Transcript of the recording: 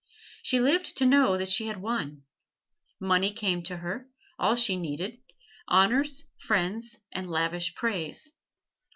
She lived to know that she had won. Money came to her, all she needed, honors, friends and lavish praise.